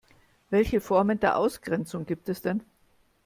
Welche Formen der Ausgrenzung gibt es denn?